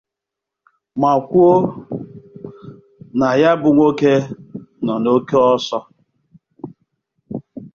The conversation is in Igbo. ma kwuo na ya bụ nwoke nọ n'oke ọsọ